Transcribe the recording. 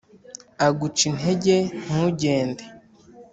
aguca intege ntugende